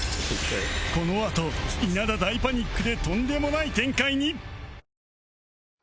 このあと稲田大パニックでとんでもない展開に